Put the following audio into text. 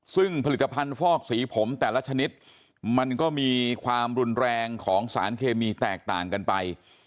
ซึ่งผลิตภัณฑ์ฟอกสีผมแต่ละชนิดมันก็มีความรุนแรงของสารเคมีแตกต่างกันไป